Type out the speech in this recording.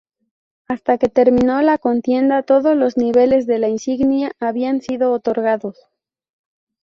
Hasta que terminó la contienda, todos los niveles de la insignia habían sido otorgados.